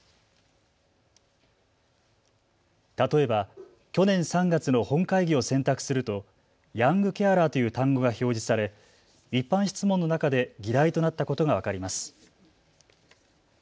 例えば去年３月の本会議を選択するとヤングケアラーという単語が表示され一般質問の中で議題となったことが分かります。